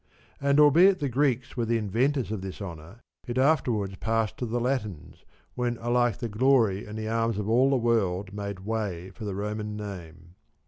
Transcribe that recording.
And albeit the Greeks were the inventors of this honour, it afterwards passed to the Latins, when alike the glory and the arms of all the world made way for the Roman name.